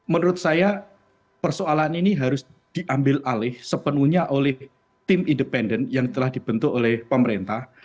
menurut saya persoalan ini harus diambil alih sepenuhnya oleh tim independen yang telah dibentuk oleh pemerintah